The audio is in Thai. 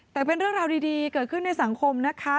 แต่เป็นเรื่องราวดีเกิดขึ้นในสังคมนะคะ